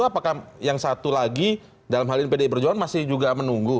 apakah yang satu lagi dalam hal ini pdi perjuangan masih juga menunggu